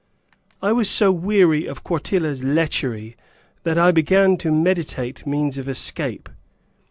] (I was so weary of Quartilla's lechery that I began to meditate means of escape.